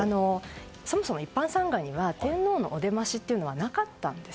そもそも一般参賀には天皇のお出ましというのはなかったんです。